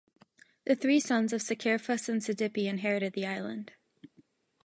The three sons of Cercaphus and Cydippe inherited the island.